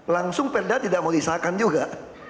langsung perda tidak mau disahkan juga